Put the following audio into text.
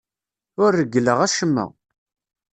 Ur reggleɣ acemma.